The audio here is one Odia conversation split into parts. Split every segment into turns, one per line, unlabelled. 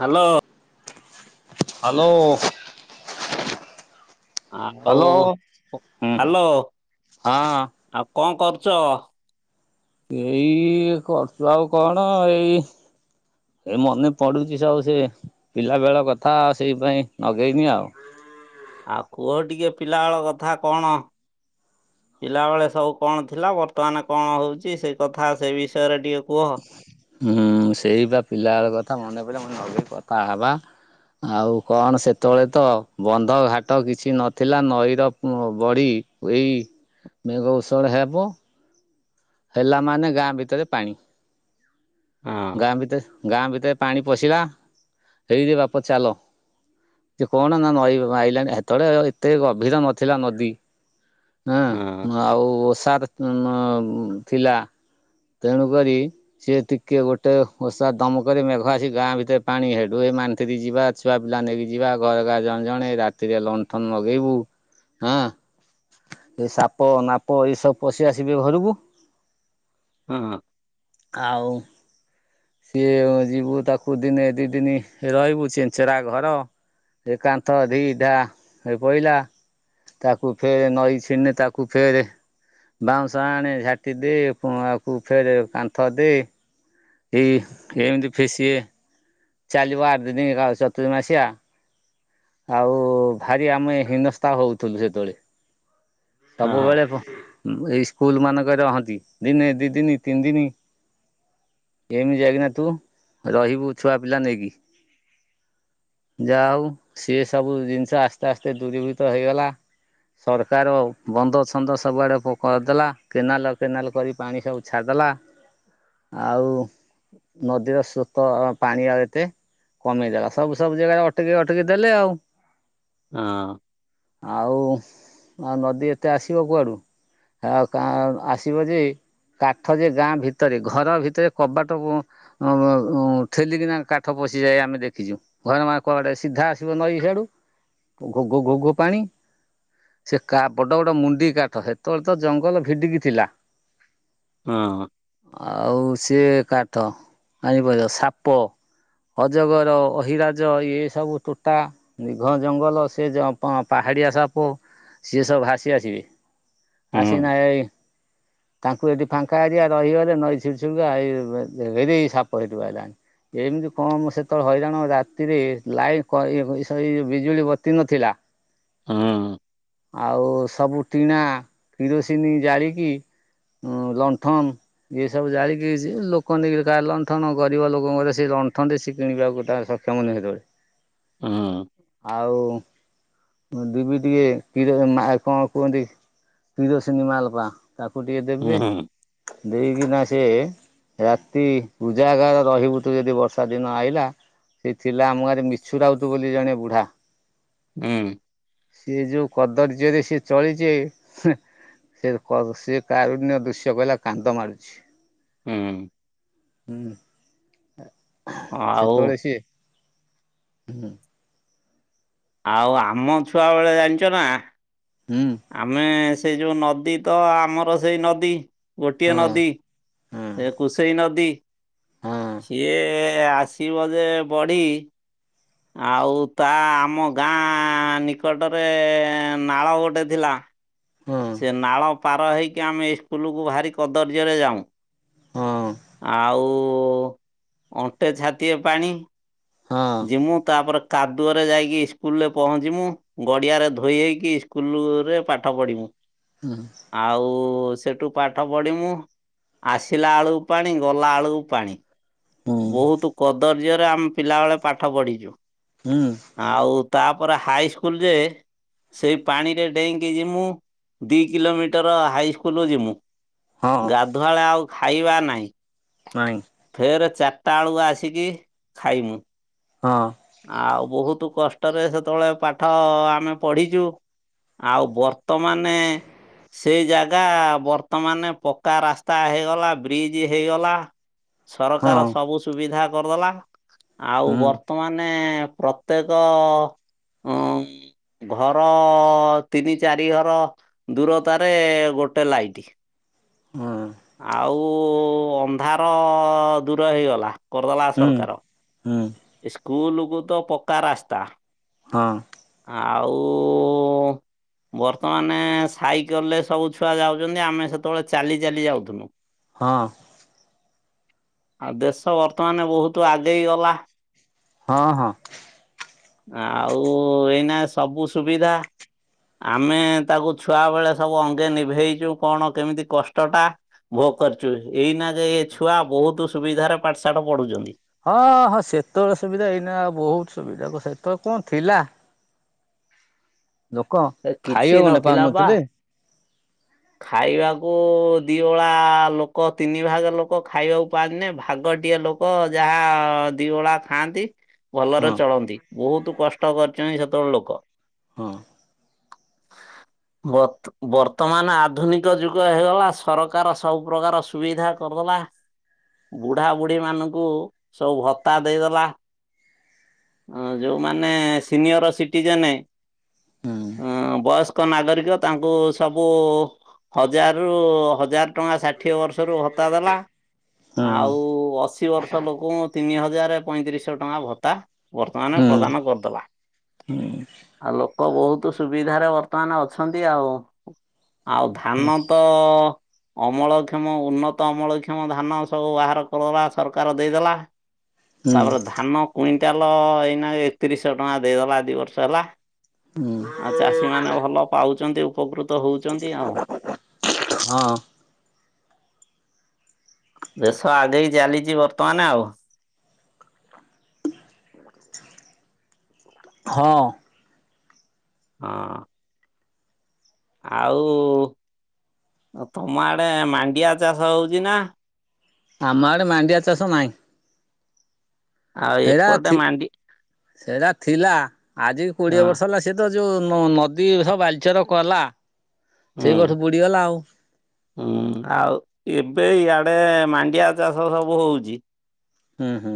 ହାଲୋ
ହାଲୋ
ଆଉ
ହଁ
ହ୍ୟାଲୋ ଆଉ କଣ କରୁ - ଚ
ଏଇ କରୁଚୁ ଆଉ କଣ ଏଇ ଏ ମନେ ପଡୁଛି ସବୁ ସେ ପିଲାବେଳ କଥା ଆଉ ସେଇଥିପାଇଁ ଆଗେଇନି ଆଉ।
ଆଉ କୁହ ଟିକେ ପିଲାବେଳ କଥା କଣ? ପିଲାବେଳେ ସବୁ କଣ ଥିଲା ବର୍ତ୍ତମାନ କଣ ହଉଛି ସେ କଥା ସେ ବିଷୟରେ ଟିକେ- କୁହ।
ହୁଁ ସେଇ ବା ପିଲାବେଳ କଥା ମନେ ପଡେ [unintelligible] କଥା ହେବା ଆଉ କଣ ସେତେବେଳେ ତ ବନ୍ଧ ଘାଟ କିଛି ନଥିଲା ନଈର ବଢ଼ି ଏଇ ମେଘ ଭୀଷଣ ହେବ। ହେଲା ମାନେ ଗାଁ ଭିତରେ ପାଣି,
ହଁ
ଗାଁ ଭିତରେ। ଗାଁ ଭିତରେ ପାଣି ପଶିଲା ହେଇରେ ବାପ ଚାଲ। ଯେ କଣ ନା ନଈ ବ ଆଇଲାଣି ହେତେବେଳେ, ଏତେ ଗଭୀର ନଥିଲା ନଦୀ।
ହଁ
ଆଁ ଆଉ ଓସାର ଉଁ-ଉଁ ଥିଲା। ତେଣୁ କରି ସିଏ ଟିକେ ଗୋଟେ ଓଷା କାମ କରି ମେଘ ଆସି ଗାଁ ଭିତରେ ପାଣି ହେଡୁ ଏ ମାନ୍ତ୍ରୀରି ଯିବା ଛୁଆ ପିଲା ନେଇକି ଯିବା ଘରକା ଜଣେ ଜଣେ ରାତିରେ ଲଣ୍ଠନ ନଗେଇବୁ। ହଁ। ଏ ସାପ ନାପ ଏସବୁ ପଶି ଆସିବେ ଘରକୁ
ହଁ।
ଆଉ ସିଏ ଯିବୁ ତାକୁ ଦିନେ ଦି ଦିନ ରହିବୁ ଚନେଞ୍ଚଚେରା ଘର ଏ କାନ୍ଥ ଢ଼ି ଢା ଏ ପଇଲା ତାକୁ ଫେର ନଈ ଛିନେ ତାକୁ ଫେର ବାଉଁଶ ଆଣେ ଝାଟି ଦେ ପୁ ଆ କୁ ଫେର କାନ୍ଥ ଦେଇ ଏ ଏମିତି ଫିସିଏ ଚାଲିବ ଆଠ ଦିନ କା ଚତୁର ମାସିଆ ଆଉ ଭାରି ଆମେ ହିନସ୍ତା ହଉଥିଲୁ ସେତେବେଳେ।
ହଁ।
ସବୁବେଳେ ପ ଏଇ ସ୍କୁଲ ମାନଙ୍କ ଗ ରହନ୍ତି ଦିନେ ଦିଇ ଦିନି ତିନ ଦିନ ଏମିତି ଯାଇକିନା ତୁ ରହିବୁ ଛୁଆ ପିଲା ନେଇକି ଯାଉ ସିଏ ସବୁ ଜିନିଷ ଆସ୍ତେ ଆସ୍ତେ ଦୂରୀଭୂତ ହେଇଗଲା। ସରକାର ବନ୍ଦ ଛନ୍ଦ ସବୁଆଡେ କ କରିଦେଲା କେନାଲ କେନାଲ କରି ପାଣି ସବୁ ଛାଡ଼ ଦେ ଦେଲା ଆଉ ନଦୀର ସୋତ ପାଣି ଆଉ ଏତେ କମେଇଦଲା ସବୁ ସବୁ ଜାଗାରେ ଅଟକି ଅଟ ଟେକେ ଦେଲେ ଆଉ
ହଁ
ଆଉ ଆଉ ନଦୀ ଏତେ ଆସିବ କୁଆଡୁ ଆ କା ଆସିବ ଯେ କାଠ ଯେ ଗାଁ ଭିତରେ ଘର ଭିତରେ କବାଟ ଅଁ-ଅଁ-ଅଁ ଠେଲିକିନା କାଠ ପଶିଯାଇ ଆମେ ଦେଖିଛୁ ଘରେ ମା କୁଆଡେ ସେ ସିଧା ଆସିବ ନଈ ସିଆଡ଼ୁ ଘୋଘୋ ଘୋଘୋ ପାଣି ସେ କା ବଡ ବଡ ମୁଣ୍ଡି କାଠ ସେତେବେଳେ ତ ଜଙ୍ଗଲ ଭିଡିକି ଥିଲା
ହଁ
ଆଉ ସିଏ କାଠ ଆଣିିପାରିବ ସାପ ଅଜଗର ଅହିରାଜ ଏ ସବୁ ତୋଟା ନିଘ ଜଙ୍ଗଲ ସେ ଜଁ ପା ପାହାଡ଼ିଆ ସାପ ସିଏ ସବୁ ଭାସି ଆସିବେ
ହୁଁ
ଆସିନାଁ ଏଇ ତାଙ୍କୁ ଏଠି ଫାଙ୍କା ଏରିଆ ରହିଗଲେ ନଈ [unintelligible] ହେ ରେ ସାପ ହେଠି ବାହାରିଲାଣି। ଏମିତି କମ ସେତେବେଳେ ହଇରାଣ ରାତିରେ ଲାଇ [unintelligible] ଏଇ ଯୋଉ ବିଜୁଳି ବତି ନଥିଲା
ହଁ।
ଆଉ ସବୁ ଟିଣା କିରୋସିିନି ଜାଳିକି ଲଣ୍ଠନ ଇଏ ସବୁ ଜାଳିକି ଯ ଲୋକ ନେଇ କାର ଲଣ୍ଠନ ଗରିବ ଲୋକଙ୍କର ସେ ଲଣ୍ଠନ ସେ କିଣିବା ଗୋଟ ତାର ସ [unintelligible]
ହଁ।
ଆଉ ଦିବି ଟିକେ କିର ମା କଣ କୁହନ୍ତି କିରୋସିନ ମାଲପା ତାକୁ ଟିକେ ଦେବେ
ହୁଁ
ଦେଇକିନା ସେଏ ରାତି ଉଜାଗାର ରହିବୁ ତୁ ଯଦି ବର୍ଷା ଦିନ ଆଇଲା ସେ ଥିଲା ଆମ ଗାଁ ରେ ମିଛୁ ରାଉତ ବୋଲି ଜଣେ ବୁଢା
ହୁଁ।
ସିଏ ଯୋଉ କଦର୍ଯ୍ୟରେ ସିଏ ଚଳିଚି ହ୍ନି ସେ କ ସେ କାରୁଣ୍ୟ ଦୃଶ୍ୟ କହିଲା କାନ୍ଦ ମାଡୁଛି।
ହୁଁ।
ହୁଁ।
ଆଉ
ହୁଁ।
ଆଉ ଆମ ଛୁଆ ବେଳେ ଜାଣିଚ ନା
ହୁଁ
ଆମେ ସେ ଯୋଉ ନଦୀ ତ ଆମର ସେଇ ନଦୀ ଗୋଟିଏ
ହଁ
ନଦୀ।
ହଁ
ଏ କୁସେଇ ନଦୀ।
ହଁ
ସିଏ ଆସିବ ଯେ ବଢି ଆଉ ତା ଆମ ଗାଁ ନିକଟରେ ନାଳ ଗୋଟେ ଥିଲା। ସେ ନାଳ ପାର ହେଇକି ଆମେ ଏଇ ସ୍କୁଲକୁ ଭାରି କଦର୍ଯ୍ୟରେ ଯାଉଁ
ହଁ
ଆଉ ଅଣ୍ଟେ ଛାତିଏ ପାଣି
ହଁ ହଁ
ଯିମୁଁ ତାପରେ କାଦୁଅରେ ଯାଇକି ସ୍କୁଲରେ ପହଞ୍ଚିମୁ ଗଡ଼ିଆରେ ଧୋଇ ହେଇକି ସ୍କୁଲରେ ପାଠ ପଢ଼ିମୁ।
ହୁଁ
ଆଉ ସେଠୁ ପାଠ ପଢିମୁୁ। ଆସିଲା ଆଳୁକୁ ପାଣି ଗଲା ଆଳୁକୁ ପାଣି।
ହୁଁ
ବହୁତ କଦର୍ଯ୍ୟରେ ଆମେ ପିଲାବେଳେ ପାଠ ପଢିଛୁ।
ହୁଁ
ଆଉ ତା ପରେ ହାଇ ସ୍କୁଲ ଯେ ସେଇ ପାଣିରେ ଡେଇଁକି ଯିମୁ ଦି କିଲୋମିଟର ହାଇ ସ୍କୁଲୁ ଯିମୁ।
ହଁ
ଗାଧୁଆବେଳେ ଆଉ ଖାଇବା ନାହିଁ।
ନାଇଁ
ଫେରେ ଚାରିଟା ବେଳୁକୁ ଆସିକି ଖାଇମୁ।
ହଁ
ଆଉ ବହୁତ କଷ୍ଟରେ ସେତେବେଳେ ପାଠ ଆମେ ପଢିଛୁ। ଆଉ ବର୍ତ୍ତମାନେ ସେ ଜାଗା ବର୍ତ୍ତମାନ ପକ୍କା ରାସ୍ତା ହେଇଗଲା ବ୍ରିଜ ହେଇଗଲା ସରକାର
ହଁ
ସବୁ ସୁବିଧା କରିଦେଲା। ଆଉ
ହୁଁ
ବର୍ ମାନେ ପ୍ରତ୍ୟେକ ଉମ୍ ଘର ତିନି ଚାରି ଘର ଦୂରତାରେ ଗୋଟେ ଲାଇଟ୍
ହଁ।
କୁ ଅନ୍ଧାର ଦୂର ହେଇଗଲା। କରିଦେଲା
ହୁଁ
ସରକାର।
ହୁଁ
ସ୍କୁଲକୁ ତ ପକ୍କା ରାସ୍ତା
ହଁ
ଆଉ ବର୍ତ୍ତମାନେ ସାଇକଲରେ ସବୁ ଛୁଆ ଯାଉଛନ୍ତି। ଆମେ ସେତେବେଳେ ଚାଲି ଚାଲି ଯା
ହଁ।
ଆଉ ଦେଶ ବର୍ତ୍ତମାନ ବହୁତ ଆଗେଇ ଗଲା।
ହଁ ହଁ।
ଆଉ ଏଇନା ସବୁ ସୁବିଧା। ଆମେ ତାକୁ ଛୁଆ ବେଳେ ସବୁ ଅଙ୍ଗେ ନିଭେଇଚୁ କଣ କେମିତି କଷ୍ଟଟା ଭୋଗ କରିଚୁ। ଏଇନା ଯେ ଏ ଛୁଆ ବହୁତ ସୁବିଧାରେ ପାଠଶାଠ ପଢୁଛନ୍ତି।
ହଁ ହଁ ସେତେବେଳେ ସୁବିଧା ଏଇନା ଆଉ ବହୁତ ସୁବିଧା ସେତେବେଳେ କଣ ଥିଲା? ଲୋକ
ଏ କିଛି
ଖାଇବାକୁ ଗଣ୍ଡେ
ନଥିଲା ବା
ପାଉନଥିଲେ।
ଖାଇବାକୁ ଦି ଓଳା ଲୋକ ତିନି ଭାଗ ଲୋକ ଖାଇବାକୁ ପାଆନ୍ତି ନେଇ ଭାଗ ଗୋଟିଏ ଲୋକ ଯାହା ଦିଓଳା ଖାଆନ୍ତି ଭଲରେ
ହଁ
ଚଳନ୍ତି। ବହୁତ କଷ୍ଟ କରିଛନ୍ତି ସେତେବେଳ ଲୋକ।
ହଁ
ବତ୍ ବର୍ତ୍ତମାନ ଆ ଆଧୁନିକ ଯୁଗ ହେଇଗଲା ସରକାର ସବୁପ୍ରକାର ସୁବିଧା କରିଦେଲା। ବୁଢା ବୁଢ଼ୀ ମାନଙ୍କୁ ସବୁ ଭତ୍ତା ଦେଇଦେଲା। ହଁ ଯୋଉମାନେ ସିନିୟର ସିଟିଜେନେ
ହୁଁ
ଅ ବୟସ୍କ ନାଗରିକ ତାଙ୍କୁ ସବୁ ହଜାର ରୁ ହଜାର ଟଙ୍କା ଷାଠିଏ ବର୍ଷରୁ ଭତ୍ତା ଦେଲା
ହୁଁ
ଆଉ ଅଶୀ ବର୍ଷ ଲୋକଙ୍କୁ ତିନି ହଜାର ପଇଁତିରିଶଶହ ଟଙ୍କା ଭତ୍ତା ବର୍ତ୍ତମାନ
ହୁଁ।
ପ୍ରଦାନ କରିଦେଲା। ଆଉ ଲୋକ ବହୁତ ସୁବିଧାରେ ବର୍ତ୍ତମାନ ଅଛନ୍ତି ଆଉ। ଆଉ ଧାନ ତ ଅମଳକ୍ଷମ ଉନ୍ନତ ଅମଳକ୍ଷମ ଧାନ ସବୁ ବାହାର କରିବା ସରକାର ଦେଇଦେଲା।
ହୁଁ
ତାପରେ ଧାନ କୁଉ ଟାଲ ଏଇନା ଏକତିରିଶହ ଟଙ୍କା ଦେଇଦେଲା ଦି ବର୍ଷ ହେଲା।
ହୁଁ
ଆଉ ଚାଷୀ ମାନେ ଭଲ ପାଉଛନ୍ତି ଉପକୃତ ହଉଛନ୍ତି ଆଉ।
ହଁ।
ଦେଶ ଆଗେଇ ଚାଲିଛି ବର୍ତ୍ତମାନ ଆଉ।
ହଁ।
ହଁ। ଆଉ। ତମ ଆଡେ ମାଣ୍ଡିଆ ଚାଷ ହଉଚି ନା।
ଆମ ଆଡେ ମାଣ୍ଡିଆ ଚାଷ ନାହିଁ।
ଆଉ
ହେରା
ଏପଟେ
ଥି
ମାଣ୍ଡି
ସେରା ଥିଲା ଆଜି କି କୋଡିଏ
ହଁ
ବର୍ଷ ହେଲା ସେତ ଯୋଉ ନଦୀ ସବୁ ବାଲିଚର କଲା।
ହୁଁ
ସେଇ ବର୍ଷ ବୁଡିଗଲା ଆଉ
ହୁଁ ଆଉ ଏବେ ଆ ଏ ମାଣ୍ଡିଆ ଚାଷ ସବୁ ହଉଚି।
ହୁଁ ହୁଁ।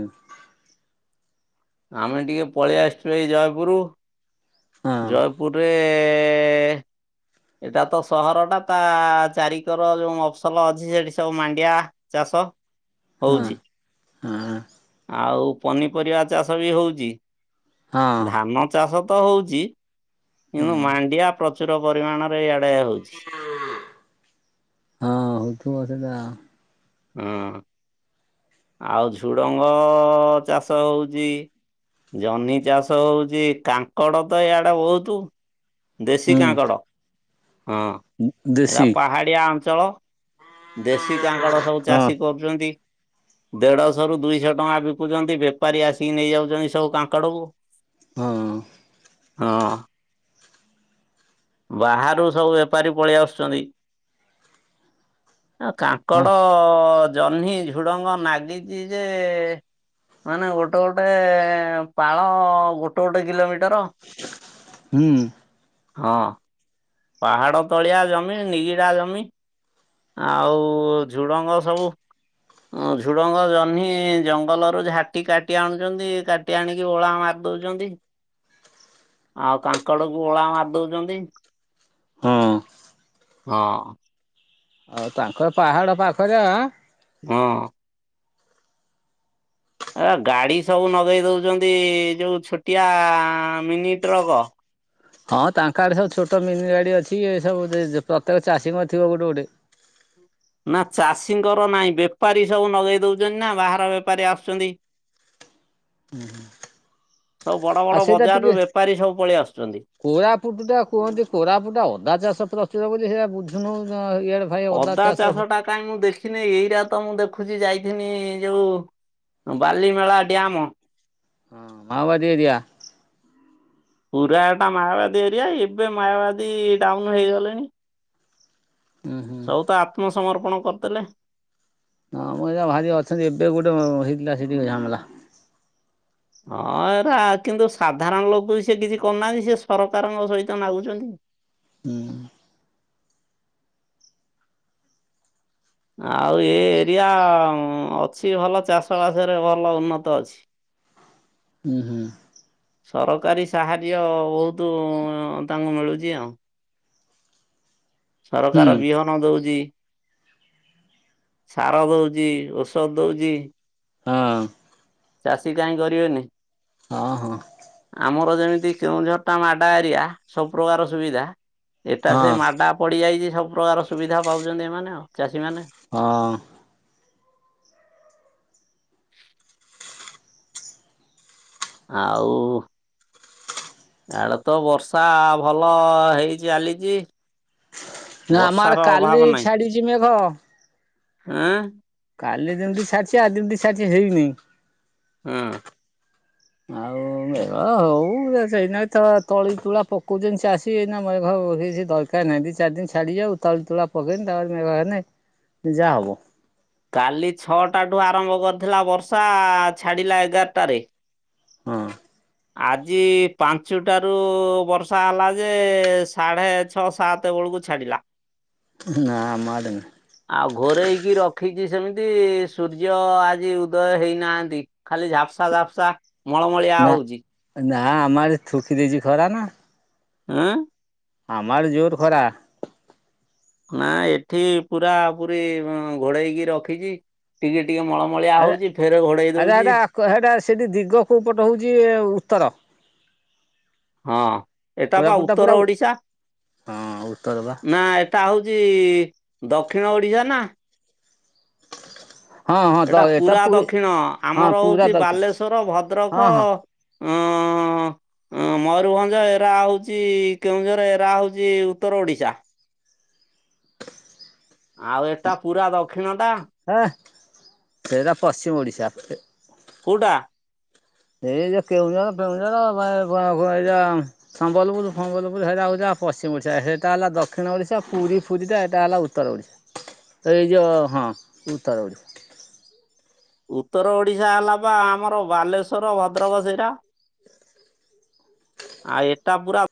ଆମେ ଟିକେ ପଳେଇ ଆସିଛୁ ଏଇ ଜୟପୁର।
ହଁ
ଜୟପୁରୁରେ ଏଇଟା ତ ସହର ଟା ତା ଚାରିକର ଜଉ ମଫସଲ ଅଛି ସେଠି ସବୁ ମାଣ୍ଡିଆ ଚାଷ। ହଉଚି।
ଆଁ।
ଆଉ ପନିପରିବା ଚାଷ ବି ହଉଚି,
ହଁ
ଧାନ ଚାଷ ତ ହଉଚି। କିନ୍ତୁ
ହୁଁ।
ମାଣ୍ଡିଆ ପ୍ରଚୁର ପରିମାଣରେ ଇଆଡ଼େ ହଉଚି।
ହଁ ହୋଉଥିବ ସେବା।
ହଁ। ଆଉ ଝୁଡଙ୍ଗ ଚାଷ ହଉଚି। ଜହ୍ନି ଚାଷ ହଉଚି, କାଙ୍କଡ଼ ତ ଇଆଡ଼େ ବହୁତୁ। ଦେଶୀ
ହୁଁ।
କାଙ୍କଡ଼। ହଁ, ଏଟା
ଦେଶୀ
ପାହାଡିଆ ଅଞ୍ଚଳ। ଦେଶୀ କାଙ୍କଡ଼ ସବୁ
ହଁ।
ଚାଷୀ କରୁଛନ୍ତି। ଦେଢଶହ ରୁ ଦୁଇଶହ ଟଙ୍କା ବିକୁଛନ୍ତି ବେପାରୀ ଆସିକି ନେଇଯାଉଛନ୍ତି ସବୁ କାଙ୍କଡ଼କୁ।
ହଁ।
ହଁ। ବାହାରୁ ସବୁ ବେପାରୀ ପଳି ଆସୁଛନ୍ତି। ଆ
ହଁ
କାଙ୍କଡ, ଜହ୍ନି, ଝୁଡ଼ଙ୍ଗ ନାଗିଚି ଯେ ମାନେ, ଗୋଟେ ଗୋଟେ ପାଳ ଗୋଟେ ଗୋଟେ କିଲୋମିଟର
ହୁଁ।
ହଁ, ପାହାଡ଼ ତଳିଆ ଜମି ନିଗିଡ଼ା ଜମି। ଆଉ ଝୁଡଙ୍ଗ ସବୁ ଝୁଡଙ୍ଗ, ଜହ୍ନି ଜଙ୍ଗଲରୁ ଝାଟି କାଟି ଆଣୁଛନ୍ତି କାଟି ଆଣିକି ଓଳାମାପ ଦଉଚନ୍ତି।
[inaudible]
ଆଉ କାଙ୍କଡ଼କୁ ଓଳା ମାରିଦଉଛନ୍ତି।
ହଁ।
ହଁ।
ଆଉ ତାଙ୍କର ପାହାଡ ପାଖରେ ଆ
ହଁ। ଆ ଗାଡି ସବୁ ନଗେଇ ଦଉଛନ୍ତି ଯୋଉ ଛୋଟିଆ ମିନି ଟ୍ରକ୍।
ହଁ ତାଙ୍କ ଆଡେ ସବୁ ଛୋଟ ମିନି ଗାଡି ଅଛି ଏ ସବୁ ପ୍ରତ୍ୟେକ ଚାଷୀଙ୍କ ଥିବ ଗୋଟେ ଗୋଟେ।
ହୁଁ ନା ଚାଷୀଙ୍କର ନାହିଁ ବେପାରୀ ସବୁ ନଗେଇ ଦଉଛନ୍ତି ନା ବାହାର ବେପାରୀ ଆସୁଛନ୍ତି
[inaudible] ହୁଁ ହୁଁ
ସବୁ ବଡ ବଡ ବଜାରରୁ ବେପାରୀ ସବୁ ପଳେଇଆ
କୋରାପୁଟ ଟା କୁହନ୍ତି କୋରାପୁଟଟା ଅଦା ଚାଷ ପ୍ରଚୁର ବୋଲି ସେଇ ବୁଝୁନୁ ଇଆଡ଼େ ଭାଇ
ଅଦା
ହଁ
ଚାଷ ଟା କାହିଁ ମୁଁ ଦେଖିନି ଏଇଟା ତ ମୁଁ ଦେଖୁଛି ଯାଇକ ଏ ଯୋଉ ବାଲିମେଳା ଡ୍ୟାମ
ହଁ ମାଓବାଦ ଦିଆ
ପୁରା ଏଟା ମାୟବାଦୀ ଏରିଆ ଏବେ ମାୟବାଦୀ ଡାଉନ ହେଇଗଲେଣି
ହୁଁ ହୁଁ।
ସବଉ ତ ଆତ୍ମ ସମମର୍ପଣ କରିଦେଲେ
ହଁ ମୁର ଏା ଭାରି ଅଛନ୍ତି ଏବେ ଗୋଟେ ହେଇଥିଲା ସେ ଟିକେ ଝାମଲା
ହଁ ଏରା କିନ୍ତୁ ସାଧାରଣ ଲୋକ ସେ କିଛି କରୁନାହାନ୍ତି ସେ ସରକାରଙ୍କ ସହିତ ନାଗୁଛନ୍ତି
ହୁଁ
ଆଉ ଏ ଏରିଆ ଅଛି ଭଲ ଚାଷବାସରେ ଭଲ ଉନ୍ନତ ଅଛି
ହୁଁ ହୁଁ
ସରକାରୀ ସାହାଯ୍ୟ ବହୁତ ତାଙ୍କୁ ମିଳୁଛି ଆଉ
ହୁଁ
ସରକାର ବିହନ ଦଉଛି ସାର ଦଉଛି ଔଷଧ ଦଉଛି
ହଁ
ଚାଷୀ କାହିଁ କରିବେନି
ହଁ ହଁ
ଆମର ଯେମିତି କେଉଝରଟା ମାଡା ଏରିଆ ସବୁ ପ୍ର୍ରକାର ସୁବିଧା ଏଟା ସେ
ହଁ।
ମାଡା ପଡିଯାଇଛି ସବୁ ପ୍ରକାର ସୁବିଧା ପାଉଛନ୍ତି ଏମାନେ ଆଉ ଚାଷୀମାନେ।
ହଁ
[inaudible] ଆଉ ଆଡେ ତ ବର୍ଷା ଭଲ ହେଇ ଚାଲିଚ
ନା ଆମର କାଲି ଛାଡିଛି ମେଘ
ହଁ
କାଲି ଯେମିତି ଛାଡିଛି ଆଉ ଯେମିତି ସାରିଛି ହେଇନି
ହଁ
ହ ଆଉ ମଘ ହଉ ସେଇନା ଏ ତଳି ତୁଳା ପକଉଛନ୍ତି ଚାଷୀ ଏନା ମ କିଛି ଦରକାରହିଁ ଦି ଚାରି ଦିନ ଛାଡି ଯାଉ ତାୁ ତୁ ପକେଇନି ତାଁ ଯାହା ହବ
କାଲି ଛଅଟାଠୁ ଆରମ୍ଭ କରିଥିଲା ବର୍ଷା ଛାଡିଲା ଏଗାରଟାରେ
ହଁ
ଆଜି ପାଞ୍ଚଟାରୁ ବର୍ଷା ହେଲା ଯେ ସାଢେ ଛଅ ସାତ ଗୋ ଛାିଲା
ନା ଆମ ଆଡେ ନା
ଆଉ ଘରେଇକି ରଖିଛି ସେମିତି ସୂର୍ଯ୍ୟ ଆଜି ଉଦୟ ହେଇନାହାନ୍ତି ଖାଲି ଝାପ୍ସା ଝାପ୍ସା ମଳମଳିଆ ହଉଛି
ହଁ ଆମର ଥୁକି ଦେଇଛି ଖରା ନା
ଆଁ
ଆମାର ଜୋର ଖରା
ନା ଏଠି ପୁରା ପୁରୀ ଘୋଡେଇକି ରଖିଛି ଟିକେଟ
ଆ ଆଟା ସେଟା ସେଠି ଦିଗ କୋଉପଟ ହଉଛି ଉତ୍ତର
ହଁ ଏଟ ବା
କୋରାପୁଟ ଟା ପୁରା
ଉତ୍ତର ଓଡିଶା
ହଁ ଉତ୍ତର ବା
ନା ଏଟ ହଉଛି ଦକ୍ଷିଣ ଓଡ଼ିଶା ନା
ହଁ ହଁ ଦ ଏଟା
ପୁରା
ପୁରୀ
ଦକ୍ଷିଣ
ହଁ
ଆମର
ପୁରା
ହଉଛି
ଦକ୍ଷ
ବାଲେଶ୍ଵର ଭଦ୍ରକ
ହଁ ହଁ। [inaudible]
ଉଁ ମୟୂରଭଞ୍ଜ ଏରା ହୋଉଚି କେଉଁଝର ଏରା ହୋଉଚି ଉତ୍ତର ଓଡ଼ିଶା। ଆଉ ଏଟା ପୁରା ଦକ୍ଷିଣଟା।
ସେରା ପଶ୍ଚିମ ଓଡ଼ିଶା ଫେ
କୋଉଟା?
ଏଇ ଯୋ କେଉଁଝର ଫେଉଁଝର ବା ବା କୋ ଏରା ସମ୍ବଲପୁର ଫମ୍ବଲପୁର ହେରା ଉଜା ପଶ୍ଚିମ ଓଡ଼ିଶା ହେଟା ହେଲା ଦକ୍ଷିଣ ଓଡ଼ିଶା ପୁରୀ ଫୁରୀଟା ଏଟା ହେଲା ଉତ୍ତର ଓଡ଼ିଶା। ଏଇ ଯୋଉ ହଁ ଉତ୍ତର ଓଡ଼ି
ଉତ୍ତର ଓଡ଼ିଶା ହେଲା ପା ଆମର ବାଲେଶ୍ଵର ଭଦ୍ରକ ସେରା। ଆ ଏଟା ପୁରା